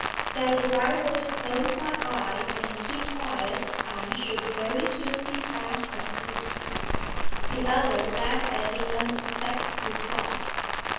'That if I were to close my eyes and keep quiet I should very soon be fast asleep.' The other laughed at the unexpected reply.